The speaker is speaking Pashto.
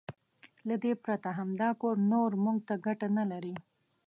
له دې پرته هم دا کور نور موږ ته ګټه نه لري.